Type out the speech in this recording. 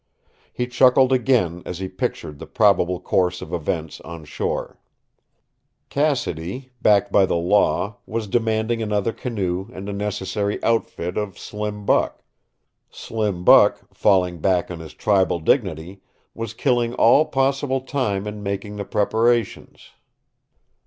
He chuckled again as he pictured the probable course of events on shore. Cassidy, backed by the law, was demanding another canoe and a necessary outfit of Slim Buck. Slim Buck, falling back on his tribal dignity, was killing all possible time in making the preparations.